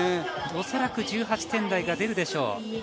おそらく１８点台が出るでしょう。